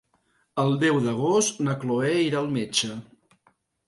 El deu d'agost na Chloé irà al metge.